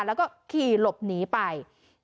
แล้วก็ขี่หลบหนีไป